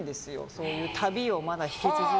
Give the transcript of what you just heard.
そういう旅を引き続き。